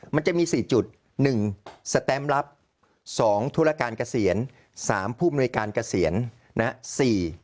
มันจะมี๔จุดหนึ่งสแตมรับสองธุรการเกษียณสามผู้อำนวยการเกษียณนะฮะ